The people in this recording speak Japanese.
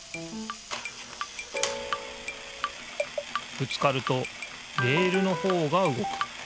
ぶつかるとレールのほうがうごく。